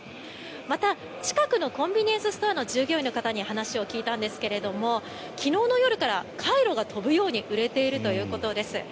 また、近くのコンビニエンスストアの従業員の方に話を聞いたんですが昨日の夜からカイロが飛ぶように売れているということです。